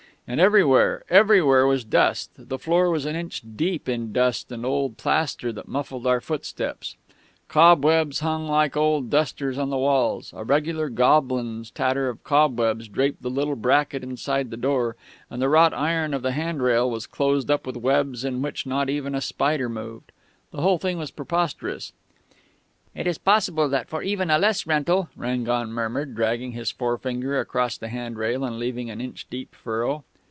And everywhere, everywhere was dust the floor was an inch deep in dust and old plaster that muffled our footsteps, cobwebs hung like old dusters on the walls, a regular goblin's tatter of cobwebs draped the little bracket inside the door, and the wrought iron of the hand rail was closed up with webs in which not even a spider moved. The whole thing was preposterous.... "'It is possible that for even a less rental ' "Rangon murmured, dragging his forefinger across the hand rail and leaving an inch deep furrow....